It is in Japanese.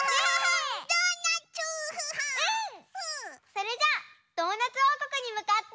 それじゃあドーナツおうこくにむかって。